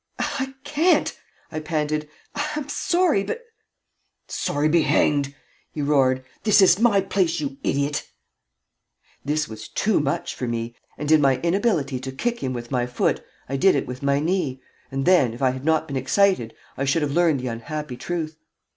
"I can't," I panted. "I'm sorry, but " "Sorry be hanged!" he roared. "This is my place, you idiot " This was too much for me, and in my inability to kick him with my foot I did it with my knee, and then, if I had not been excited, I should have learned the unhappy truth.